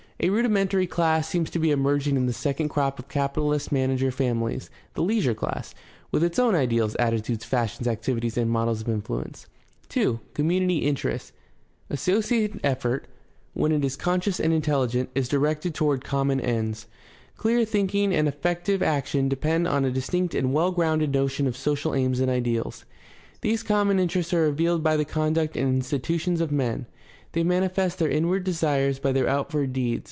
A rudimentary class seems to be emerging in the second crop of capitalist manager families, the "leisure class," with its own ideals, attitudes, fashions, activities, and modes of influence. Literature. — See T. B. Veblin, Theory of the Leisure Classes (New York: Macmillan, 1889). 2. COMMUNITY INTERESTS Associated effort, when it is conscious and intelligent, is directed toward common ends. Clear thinking and effective action depend on a distinct and well grounded notion of social aims and ideals. These common interests are revealed by the conduct and institutions of men; they manifest their inward desires by their outward deeds.